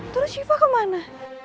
terus syifa kemana